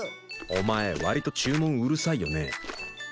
お前割と注文うるさいよねえ。